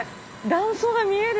断層が見える。